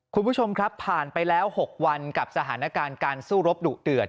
คุณผู้ชมครับผ่านไปแล้ว๖วันกับสถานการณ์การสู้รบดุเดือด